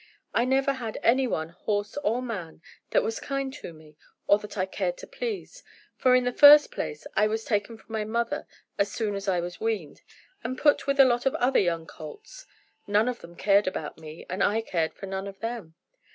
"I never had any one, horse or man, that was kind to me, or that I cared to please, for in the first place I was taken from my mother as soon as I was weaned, and put with a lot of other young colts; none of them cared for me, and I cared for none of them.